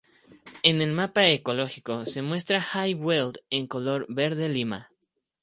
En el mapa ecológico se muestra High Weald en color verde lima.